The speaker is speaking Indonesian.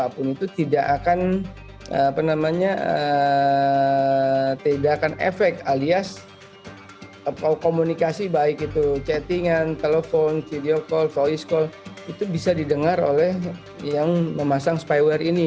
apapun itu tidak akan efek alias komunikasi baik itu chattingan telepon video call voice call itu bisa didengar oleh yang memasang spywear ini